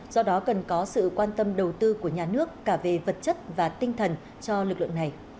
do đó cần có sự quan tâm đầu tư của nhà nước cả về vật chất và tinh thần cho lực lượng này